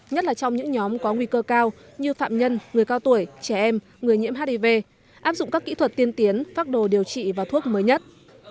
nhất là trong những nhóm có nguy cơ cao như phạm nhân người cao tuổi trẻ em người nhiễm hiv áp dụng các kỹ thuật tiên tiến phát đồ điều trị và thuốc mới nhất